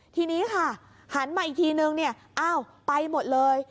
ทีนี้ค่ะหันมาอีกทีนึงไปหมดเลย